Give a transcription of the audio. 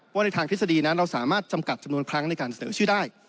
ในทางทฤษฎีนั้นเราสามารถจำกัดจำนวนครั้งในการเสนอชื่อได้